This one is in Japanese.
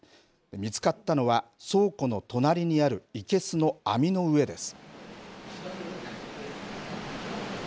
見つかったのは、倉庫の隣にある生けすの網の上です。